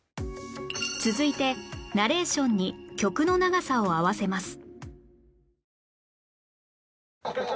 続いてナレーションに曲の長さを合わせます